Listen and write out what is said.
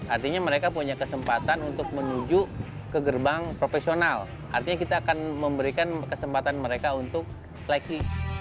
artinya mereka punya kesempatan untuk menuju ke gerbang profesional artinya kita akan memberikan kesempatan mereka untuk seleksi